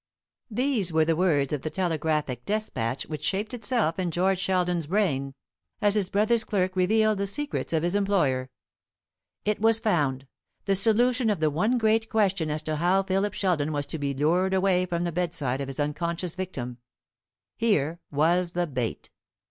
_" These were the words of the telegraphic despatch which shaped itself in George Sheldon's brain, as his brother's clerk revealed the secrets of his employer. It was found the solution of the one great question as to how Philip Sheldon was to be lured away from the bedside of his unconscious victim. Here was the bait.